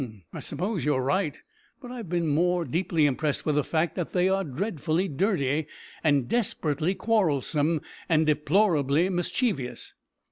"H'm! I suppose you are right; but I have been more deeply impressed with the fact that they are dreadfully dirty, and desperately quarrelsome, and deplorably mischievous."